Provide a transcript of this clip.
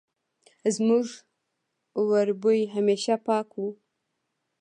زموږ وربوی همېشه پاک وو